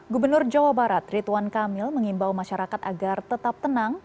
gubernur jawa barat rituan kamil mengimbau masyarakat agar tetap tenang